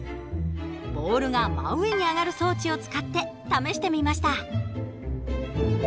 ボールが真上に上がる装置を使って試してみました。